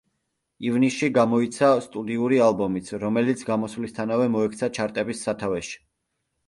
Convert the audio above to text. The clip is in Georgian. ივნისში გამოიცა სტუდიური ალბომიც, რომელიც გამოსვლისთანავე მოექცა ჩარტების სათავეში.